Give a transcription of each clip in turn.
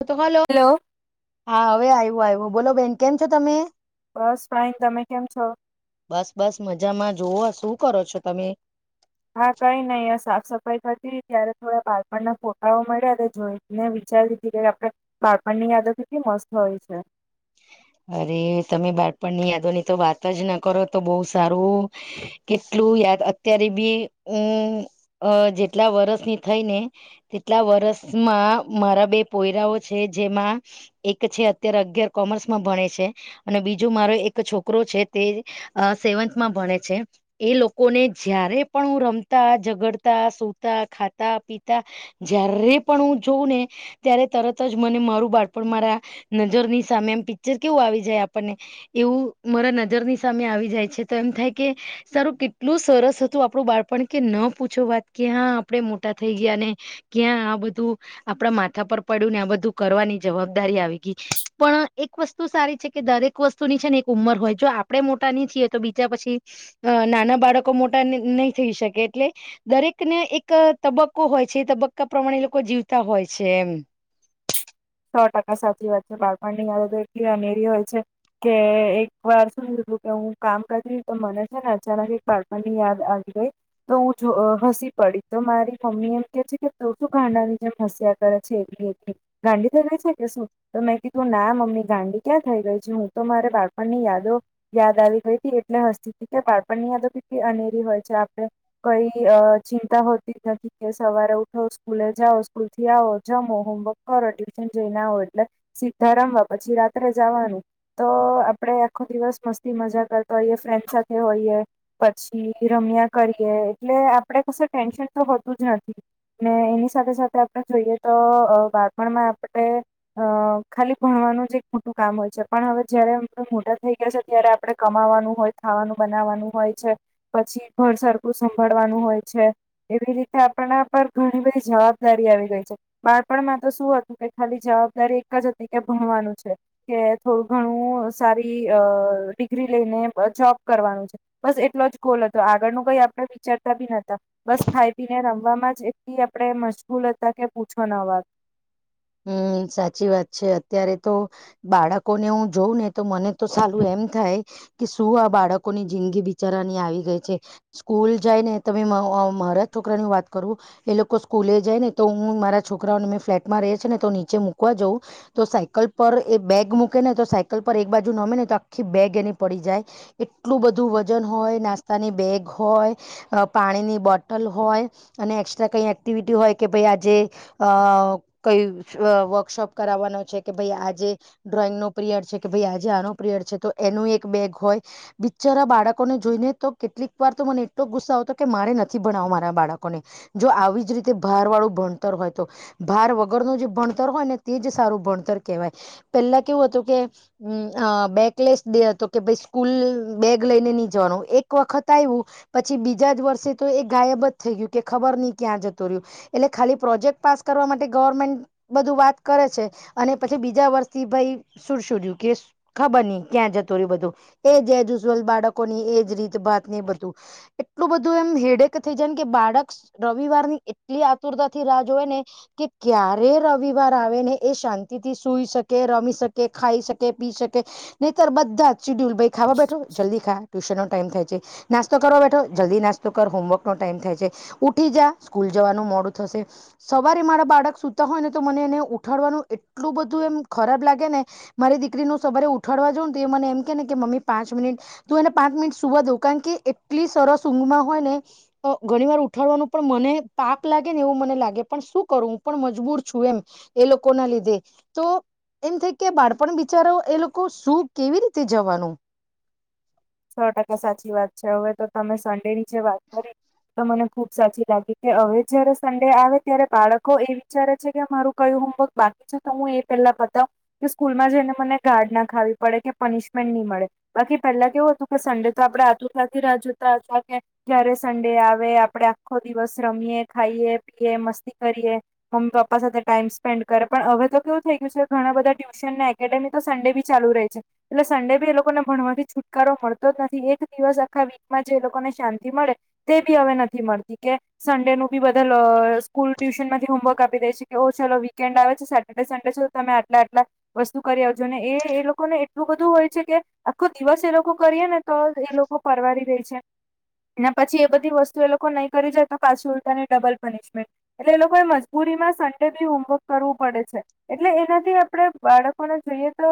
તો તો હાલો. હલો. હા હવે આયવો આયવો બોલો બેન કેમ છો તમે? બસ ફાઈન, તમે કેમ છો? બસ-બસ મજામાં, જોવો શું કરો છો તમે? હા, કઈ નઈ આ સાફ-સફાઈ કરતી તી ત્યારે થોડા બાળપણના ફોટાઓ મળ્યા તે જોઈ ને વિચારી લીધી કે, આપડે બાળપણ ની યાદો કેટલી મસ્ત હોય છે. અરે.. તમે બાળપણની યાદો ની તો વાત જ ના કરો તો બઉ સારું કેટલું યાદ, અત્યારે બી અ હું જેટલા વરષની થઈ ને એટલા વર્ષ માં મારા બે પોયરાઓ છે, જેમાં એક છે અત્યારે અગિયાર કોમર્સમાં ભણે છે અને બીજુ મારો એક છોકરો છે, તે અ સેવન્થમાં ભણે છે. એ લોકોને જયારે પણ હું રમતા, ઝગડતા, સુતા ખાતા, પીતા જયારે પણ હું જોવ ને ત્યારે તરત જ મને મારું બાળપણ મારા નજરની સામે આમ પિક્ચર કેવું આવી જાય આપણને એવું મારા નજરની સામે આવી જાય છે, તો એમ થાય કે સારું કેટલું સરસ હતું આપડું બાળ પણ કે ન પૂછો વાત, ક્યાં આપણેે મોટા થઈ ગયા, ને ક્યાં આ બધું આપડા માથા પર પડ્યું ને આ બધું કરવાની જવાબદારી આવી ગઈ, પણ એક વસ્તુ સારી છે કે દરેક વસ્તુની છે ને એક ઉંમર હોય, જો આપણેે મોટા નઈ થઈએ તો બીજા પછી અ નાના બાળકો મોટા ને નહી થઈ શકે એટલે દરેક ને એક તબક્કો હોય છે, એ તબક્કા પ્રમાણે લોકો જીવતા હોય છે એમ સો ટકા સાચી વાત છે, બાળપણ ની યાદો તો આટલી અનેરી હોય છે. કે એક વાર શું લીધુ તો કે હું કામ કરી તો મને છે, ને અચાનક એક બાળપણની યાદ આવી ગઈ. તો હું છું અ હસી પડી તો મારી મમ્મી એમ કે છે, કે તું શું ગાંડાની જેમ હસ્યા કરે છે, એકલી-એકલી ગાંડી થઈ ગઈ છે કે શું? તો મેં કીધું ના મમ્મી ગાંડી ક્યાં થઈ ગઈ છું, હું તો મારે બાળપણની યાદો યાદ આવી ગઈ હતી, એટલે હસ્તી કે બાળપણ ની યાદો કેટલી અનેરી હોય છે આપડે કઈ અ ચિંતા હોતી જ નથી, કે સવારે ઉઠો સ્કૂલે જાઓ સ્કૂલ થી આવો, જમો હોમવર્ક કરો, ટ્યુશન જઈ ને આવો એટલે સીધા રમવા, પછી રાત્રે જવાનું તો આપડે આખો દિવસ મસ્તી મજાક જ કરીએ, ફ્રેન્ડ સાથે હોઈએ. પછી રમ્યા કરીએ, એટલે આપડે કશું ટેન્શન તો હોતું જ નથી. ને એની સાથે-સાથે આપણે જોઈએ તો, બાળપણમાં આપણે અ ખાલી ભણવાનું જ એક મોટું કામ હોય છે, પણ હવે જયારે અમ મોટા થઈ ગયા છે ત્યારે આપણે કમાવાનું હોય, ખાવાનું બનાવવાનું હોય છે. પછી ઘર સરખું સંભાળવાનું હોય છે. એવી રીતે આપણા પર ઘણી બધી જવાબદારી આવી ગઈ છે, બાળપણમાં તો શું હતું કે ખાલી જવાબદારી એક જ હતી કે, ભણવાનું છે. કે થોડું ઘણું સારી અ ડિગ્રી લઈને બ જોબ કરવાનું છે., બસ એટલો જ ગોલ હતો, આગળ નુ કઈ આપડે વિચારતા બી નતા. બસ ખાઈ-પી ને રમવાવામાં જ એટલી આપણેે મશગૂલ હતા કે પૂછો ના વાત હમ્મ, સાચી વાત છે, અત્યારે તો બાળકો ને હું જોઉં ને તો મને તો સાલુ એમ થાય કે શું આ બાળકોની જિંદગી બિચારાની આવી ગઈ છે સ્કૂલ જાય ને તમે મારા છોકરા ની વાત કરું એ લોકો સ્કૂલે જાય ને તો હું મારા છોકરાઓને મેં ફ્લેટમાં રહે છે ને, તો નીચે મૂકવા જઉં તો સાયકલ પર એ બેગ મૂકે ને તો સાયકલ પર એક બાજુ નમે ને તો આખી બેગ એની પડી જાય. એટલું બધું વજન હોય, નાસ્તાની બેગ હોય. અ પાણીની બોટલ હોય અને એક્સ્ટ્રા કઈ એક્ટિવિટી હોય કે ભાઈ આજે અ કઈ વર્કશોપ કરાવવાનો છે કે ભાઈ આજે ડ્રોઈંગ નો પ્રિયર છે કે ભાઈ આજે આનો પ્રિયર છે તો એનું એક બેગ હોય બિચ્ચારા બાળકોને જોઈને તો કેટલીક વાર તો મને એટલો ગુસ્સો આવતો કે મારે નથી ભણાવો મારા બાળકોને જો આવી જ રીતે ભાર વાળું ભણતર હોય તો ભાર વગર વગર નું જે ભણતર હોય ને તે જ સારું ભણતર કહેવાય પેલા કેવું હતું કે હમ્મ અ બેકલેસ દે હતો કે ભાઈ સ્કૂલ બેગ લઈને નઈ જવાનું એક વખત આવ્યું પછી બીજા જ વર્ષે તો એ ગાયબ જ થઈ ગયું કે ખબર નહી ક્યાં જતો રહ્યો એટલે ખાલી પ્રોજેક્ટ પાસ કરવા માટે ગવર્મેન્ટ બધું વાત કરે છે અને પછી બીજા વર્ષથી ભાઈ સુર સુડ્યું કે ખબર નઈ ક્યાં જતું રયુ બધું એ જે જ ઉજવલ બાળકો ની એજ રીત ભાત ને બધું એટલું બધું હેડેક થઈ જાય કે બાળક રવિવારની એટલી આતુરતા થી રાહ જોવાય ને કે ક્યારે રવિવાર આવે ને એ શાંતિથી સૂઈ શકે રમી શકે ખાઈ શકે પી શકે નહીતર બધા જ શિડ્યુલ પેક ભાઈ ખાવા બેઠો જલ્દી ખા ટ્યુશન ટાઈમ થાય છે નાસ્તો કરવા બેઠો જલ્દી નાસ્તો કર હોમવર્કનો ટાઈમ થાય છે ઉઠી જા સ્કૂલ જવાનું મોડું થશે. સવારે મારા બાળક સુતા હોય ને તો મને એને ઉઠાડવાનું એટલું બધું એમ ખરાબ લાગે ને મારી દીકરી નું સવારે ઉઠાડવા જઉં ને એ મને એમ કે ને કે મમ્મી પાંચ મિનિટ તું એને પાંચ મિનિટ સુવા દઉ કારણ કે એટલી સરસ ઊંઘમાં હોય ને ઘણી વાર ઉઠાડવાનું પણ મને તાક લાગે ને એવું મને લાગે પણ શું કરું પણ મજબૂર છું એમ એ લોકો ના લીધે તો એમ થાય કે બાળપણ બિચારા એ લોકો શું કેવી રીતે જવાનું. સો ટકા સાચી વાત છે હવે તો તમે સન્ડે ની જે વાત કરી તો મને ખુબ સાચી લાગી કે હવે જયારે સન્ડે આવે ત્યારે બાળકો એ વિચારે છે કે મારું કયું હોમવર્ક બાકી છે તો હું એ પેલા પતાવ કે સ્કૂલમાં જઈને મને ગાર્ડ ના ખાવી પડે કે પનિશમેન્ટ નહી મળે બાકી પેહેલા કેવું તો કે સંડે તો આપડે આતુરથી રાહ જોતા હતા કે ક્યારે સન્ડે આવે આપડે આખો દિવસ રમીએ ખાઈએ પીએ મસ્તી કરીએ. મમ્મી પપ્પા સાથે ટાઈમપેન્ડ કરે પણ હવે તો કેવું થઈ ગયું છે કે ઘણા બધા ટ્યુશન ને એકેડેમી તો સન્ડે બી ચાલુ રહી છે એટલે સન્ડે ભી એ લોકોને ભણવાથી છુટકારો મળ નથી એક દિવસ આખા વીકમાં જે લોકોને શાંતિ મળે તે બી હવે નથી મળતી કે સન્ડે નું બી બધા સ્કૂલ ટ્યુશન માંથી હોમવર્ક આપી દે છે કે ઓ ચાલો વીકેન્ડ આવે છે સેટર્ડે સન્ડે ચલો તમે આટલા આટલા વસ્તુ કરી આવજો ને એ એ લોકોને એટલું બધું હોય છે કે આખો દિવસ એ લોકો કરીએ ને તો એ લોકો પરવારી દે છે. એના પછી એ બધી વસ્તુ એ લોકો નહી કરી જાય તો પાછી ઉલતાાની ડબલ પરીશમેન્ટ એટલે એ લોકોએ મજબૂરીમાં સન્ડે બી હોમવર્ક કરવું પડે છે. એટલે એનાથી આપણે બાળકોને જોઈએ તો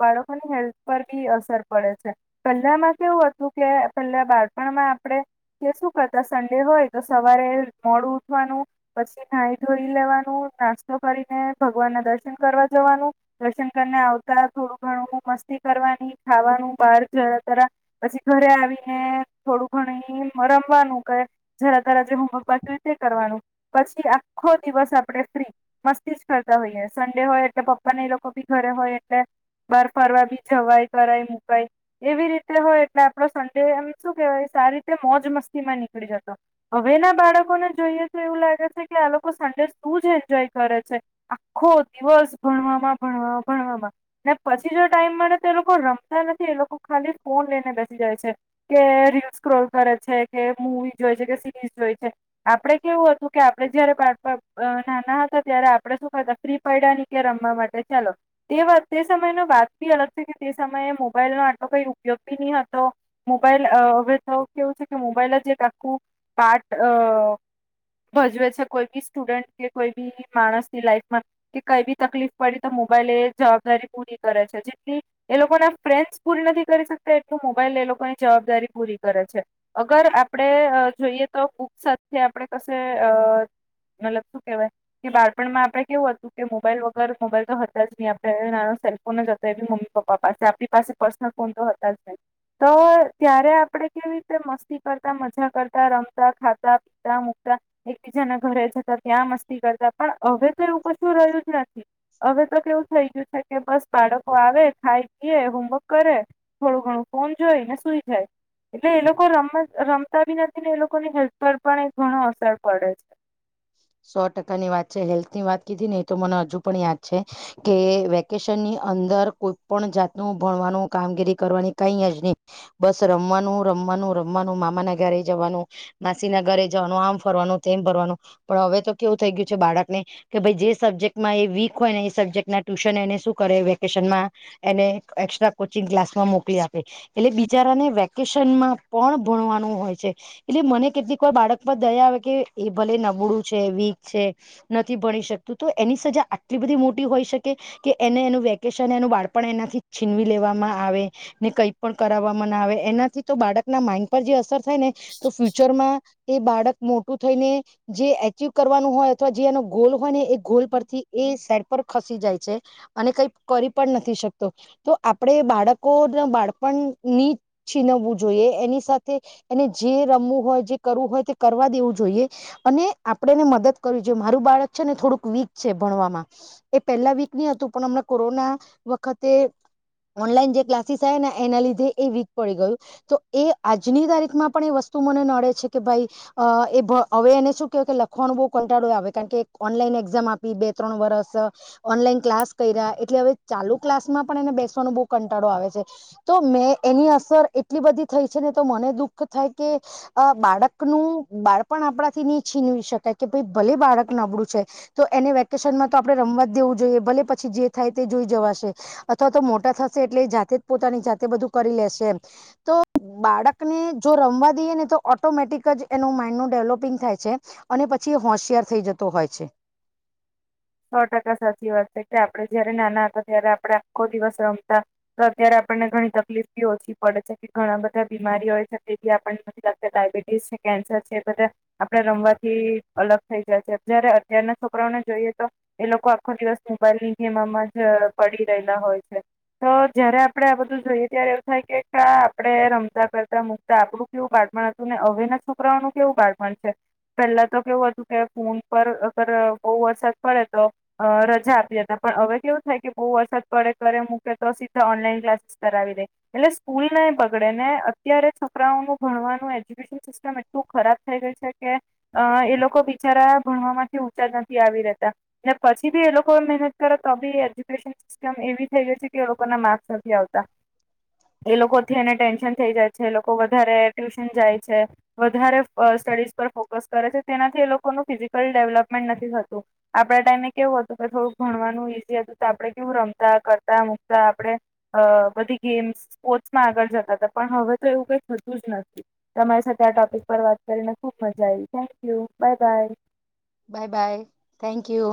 બાળકોની હેલ્થ પર બી અસર પડે છે. પહેલા માં કેવું હતું કે પહેલા બાળપણમાં આપણે કે શું કરતા સન્ડે હોય તો સવારે મોડું ઉઠવાનું પછી નાઈ ધોઈ લેવાનું નાસ્તો કરીને ભગવાન ના દર્શન કરવા જવાનું દર્શન કરીને આવતા થોડું ઘણું મસ્તી કરવાની ખાવાનું બાર જ તરા પછી ઘરે આવીને થોડું ઘણી મરમવાનું કે તરા જે હોમવર્ક બાક્યું તે પછી આખો દિવસ આપણે ફ્રી મસ્તી જ કરતા હોઈએ સન્ડે હોય એટલે પપ્પાને એ લોકો ભી ઘરે હોય એટલે બાર ફરવા બી જવાય કરાય મુકાય એવી રીતે હોય એટલે આપડો સંડે એમ શું કેવાય સારી રીતે મોજ મસ્તી માં નીકળી જતો હવે ના બાળકોને જોઈએ તો એવું લાગે છે કે આ લોકો સંડે શું જ એન્જોય કરે છે. આખો દિવસ ભણવામાં ભણવામાં ભણવામાં. ને પછી જો ટાઈમ મળે તો એ લોકો રમતા નથી એ લોકો ખાલી ફોન લઈને બેસી જાય છે. કે રીલ સ્ક્રોલ કરે છે કે મૂવી જોય છે કે સિરીઝ જોય છે. આપડે કેવું હતું કે આપડે જયારે બાળપણ નાના હતા ત્યારે આપડે શું કરતા ફ્રી પૈડા ની કેે રમવા માટે ચાલો તે વા તે સમય નો વાત બી અલગ છે કે તે સમયે મોબાઈલ નો તો કઈ ઉપયોગી ની હતો મોબાઈલ હવે તો કેવું છે કે મોબાઈલ જ એક આખું પાટ અ ભજવે છે કોઈ બી સ્ટુડન્ટ કે કોઈ બી માણસ ની લાઈફમાં કે કઈ બી તકલીફ પડી તો મોબાઈલ એ જવાબદારી પૂરી કરે છે જેટલી એ લોકો ના ફ્રેન્સ પૂરી નથી કરી શકતા એટલું મોબાઈલ એ લોકોની જવાબદારી પૂરી કરે છે. અગર આપણેે જોઈએ તો કૂક સાથે આપણે કશે અ મતલબ શું કેવાય કે બાળપણમાં આપડે કેવું હતું કે મોબાઈલ વગર મોબાઈલ તો હતા જ નહી આપડે નાનો સેમસેન્ગ ફોન જ હતો એબી મમ્મી પપ્પા પાસે આપણી પાસે પ્રશનલ ફોન તો હતા જ નહિ. તો ત્યારે આપડે કેવી રીતે મસ્તી કરતા મજા કરતા રમતા ખાતા [unintelligible] એક બીજાના ઘરે જતા ત્યાં મસ્તી કરતા પણ હવે તો એવું કશું રહ્યું જ નથી. હવે તો કેવું થઈ ગયું છે કે બસ બાળકો આવે ખાય પીએ હોમવર્ક કરે, થોડું ઘણું ફોન જોઈ ને સુઈ જાય. એટલે એ લોકો રમ રમતા બી નથી ને એ લોકોની હેલ્થ પર પણ ઘણો અસર પડે છે. સો ટકાની વાત છે હેલ્થ ની વાત કીધી ને એ તો મને હજુ પણ યાદ છે. કે વેકેશનની અંદર કોઈ પણ જાતનું ભણવાનું કામગીરી કરવાની કઈ જ નહી. બસ રમવાનું રમવાનું રમવાનું મામાના ઘરે જવાનું. માસીના ઘરે જવાનું આમ ફરવાનું તેમ ફરવાનું પણ હવે તો કેવું થઈ ગયું છે બાળકને કે ભાઈ જે સબ્જેક્ટમાં એ વીક હોય ને એ સબ્જેક્ટ ના ટ્યુશન એને શું કરે વેકેશનમાં એને એસ્ટ્રા કોચિંગ ક્લાસમાં મોકલી આપે. એટલે બિચારાને વેકેશનમાં પણ ભણવાનું હોય છે. એટલે મને કેટલીક વાર બાળક પર દયા આવે કે એ ભલે નબળું છે વીક છે. નથી ભણી શકતું તો એની સજા આટલી બધી મોટી હોય શકે. કે એને એનું વેકેશન એનું બાળપણ એનાથી છીનવી લેવામાં આવે. ને કઈ પણ કરાવવામાં ના આવે એનાથી તો બાળક ના માઇન્ડ પર જે અસર થાય ને તો ફ્યુચરમાં એ બાળક મોટું થઈને જે એચિવ કરવાનું હોય અથવા જે એનો ગોલ હોય ને એ ગોલ પરથી એ સાઈડ પર ખસી જાય છે. અને કઈ કરી પણ નથી શકતો, તો આપણે બાળકો બાળપણની છીનવવું જોઈએ એની સાથે એને જે રમવું હોય જે કરવું હોય તે કરવા દેવું જોઈએ અને આપણે એની મદદ કરવી જોવે મારું બાળક છે ને થોડુંક વીક છે ભણવામાં. એ પહેલા વીક ની હતું પણ હમણાં કોરોના વખતે ઓનલાઈન જે ક્લાસીસ આયા ને એના લીધે એ વીક પડી ગયું. તો એ આજની તારીખમાં પણ એ વસ્તુ મને નડે છે કે ભાઈ એ હવે એને શું કેવું કે લખવાનું બહુ કંટાળો આવે કારણ કે ઓનલાઈન એક્ઝામ આપી બે ત્રણ વરસ. ઓનલાઈન ક્લાસ કર્યા એટલે હવે ચાલુ ક્લાસમાં પણ એને બેસવાનો બહુ કંટાળો આવે છે. તો મે એની અસર એટલી બધી થઈ છે ને તો મને દુઃખ થાય કે અ બાળકનું બાળપણ આપણાથી ની છીનવી શકાય કે ભાઈ ભલે બાળક નબળું છે. તો એને વેકેશનમાં તો આપણેે રમવા જ દેવું જોઈએ ભલે પછી જે થાય તે જોઈ જવાશે. અથવા તો મોટા થશે એટલે એ જાતે જ પોતાની જાતે બધું કરી લેશે એમ તો બાળકને જો રમવા દઈએ ને તો ઓટોમેટિ કજ એનું માઈન્ડનું ડેવલોપિંગ થાય છે અને પછી હોશિયાર થઈ જતો હોય છે. સો ટકા સાચી વાત છે કે આપડણે જયારે નાના હતા ત્યારે આપડણે આખો દિવસ રમતા તો અત્યારે આપણને ઘણી તકલીફી ઓછી પડે છે કે ઘણા બધા બીમારી હોય છે તેથી આપણને [unintelligible] ડાયબિટીસ છે. કેન્સર છે. એ બધા આપડે રમવાથી અલગ થઈ જાય છે. જયારે અત્યારના છોકરાઓને જોઈએ તો એ લોકો આખો દિવસ મોબાઈલની ગેમમાં જ પડી રહેલા હોય છે. તો જયારે આપડણે આ બધું જોઈએ ત્યારે એવું થાય કે આપડણે રમતા કરતા મૂક તા આપણું કેવું બાળપણ હતું ને હવેના છોકરાઓ નું કેવું બાળપણ છે. પેલા તો કેવું હતું કે ફોન પર અગર બહુ વરસાદ પડે તો અ રજા આપી હતા પણ હવે કેવું થાય કે બહુ વરસાદ પડે ઘરે મૂકે તો સીધા ઓનલાઈન ક્લાસ કરાવીદે એટલે સ્કૂલ ન બગડે ને અત્યારે છોકરાઓનુ ભણવાનું એજ્યુકેશન સિસ્ટમ એટલું ખરાબ થઈ ગઈ છે કે અ એ લોકો બિચારા ભણવામાંથી ઊંચા નથી આવી રહે તા ને પછી બી એ લોકો મહેનત કરે તો બી એજ્યુકેશન સિસ્ટમ એવી થઈ ગઈ છે કે લોકોના માર્ક્સ નથી આવતા એ લોકોથી એને ટેન્શન થઈ જાય છે એ લોકો વધારે ટ્યુશન જાય છે. વધારે ફ સ્ટડીઝ પર ફોકસ કરે છે તેનાથી એ લોકોનું ફિઝિકલ ડેવલપમેન્ટ નથી થતું. આપડા ટાઈમે કેવું હતું કે થોડુંક ભણવાનું ઈઝી હતું તો આપડણે કેવું રમતા, કરતા, મૂકતા આપડે અ બધી ગેમ્સ સ્પોર્ટ્સમાં આગળ જતા હતા પણ હવે તો એવું કઈ થતું જ નથી. તમારી સાથે આ ટોપિક પર વાત કરીને ખુબ મજા આવી. Thank you. Bye bye. Bye bye. Thank you.